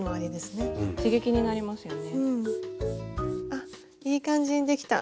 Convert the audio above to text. あっいい感じにできた。